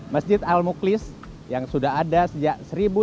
masjid al muklis yang sudah ada sejak seribu sembilan ratus delapan puluh